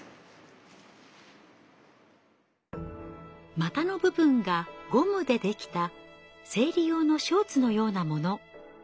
股の部分がゴムでできた生理用のショーツのようなもの。